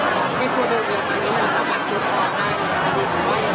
ตรงนี้เขาจะอยู่ในสถานการณ์ไหนบอกว่ามันเป็นสินอื่น